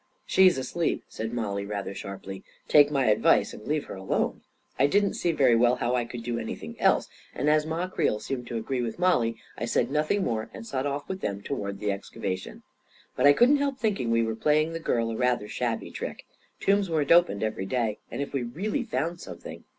"She's asleep," said Mollie, rather sharply. " Take my advice and leave her alone." I didn't see very well how I could do anything else, and as Ma Creel seemed to agree with Mollie, I said nothing more, and set off with them toward the excavation. But I couldn't help thinking we were playing the girl a rather shabby trick. Tombs weren't opened every day; and if we really found something